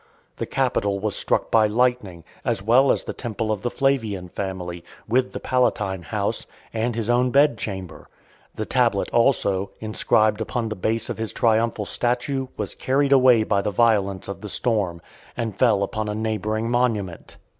The Capitol was struck by lightning, as well as the temple of the Flavian family, with the Palatine house, and his own bed chamber. The tablet also, inscribed upon the base of his triumphal statue was carried away by the violence of the storm, and fell upon a neighbouring (493) monument.